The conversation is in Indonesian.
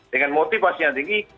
dengan motivasi yang tinggi